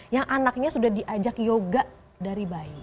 yang anaknya sudah diajak yoga dari bayi